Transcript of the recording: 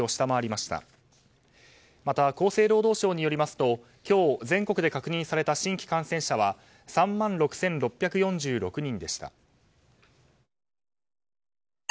また厚生労働省によりますと今日、全国で確認された新規感染者は３万６６４６人でした。